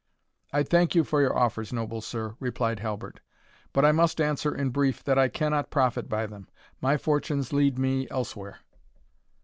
"I thank you for your offers, noble sir," replied Halbert, "but I must answer in brief, that I cannot profit by them my fortunes lead me elsewhere."